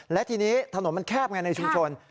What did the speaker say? และทีนี้ถนนมันแคบไงในชุมชน